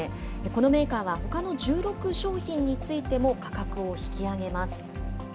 このメーカーはほかの１６商品についても、価格を引き上げます。